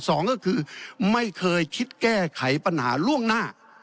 สองก็คือไม่เคยคิดแก้ไขปัญหาล่วงหน้า